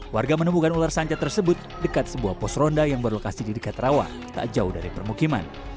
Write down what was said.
warga menemukan ular sanca tersebut dekat sebuah pos ronda yang berlokasi di dekat rawa tak jauh dari permukiman